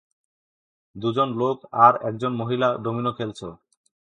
দুজন লোক আর একজন মহিলা ডোমিনো খেলছে।